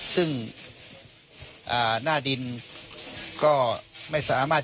สิ่งที่ดีลทราบ